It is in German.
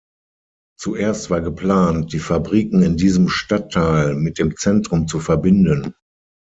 Zuerst war geplant, die Fabriken in diesem Stadtteil mit dem Zentrum zu verbinden.